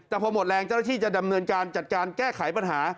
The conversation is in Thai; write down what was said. แต่พอหมดแรงเจ้าหน้าที่จะดำเนินการจัดการแก้ไขปัญหา